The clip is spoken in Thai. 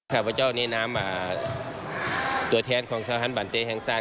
กับพระเจ้าหน้าน้ำตัวแทนของสหรัฐบาลเตศแห่งซาน